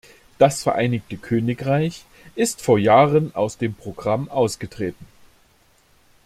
Das Vereinigte Königreich ist vor Jahren aus dem Programm ausgetreten.